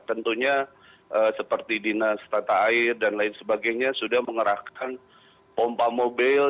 tentunya seperti dinas tata air dan lain sebagainya sudah mengerahkan pompa mobil